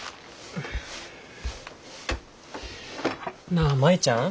なあ舞ちゃん。